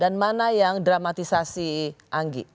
dan mana yang dramatisasi